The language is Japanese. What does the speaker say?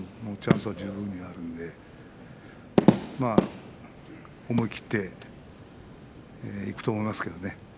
チャンスは十分にあるので思い切っていくと思いますけどね。